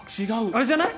あれじゃない？